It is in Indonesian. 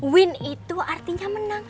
win itu artinya menang